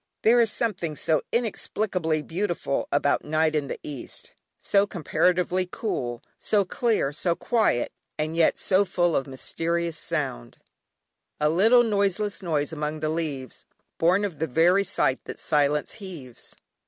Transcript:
There is something so inexplicably beautiful about night in the east, so comparatively cool, so clear, so quiet, and yet so full of mysterious sound, "A little noiseless noise among the leaves, Born of the very sigh that silence heaves."